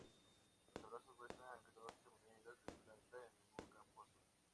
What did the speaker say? Los brazos muestran catorce monedas de plata en un campo azul.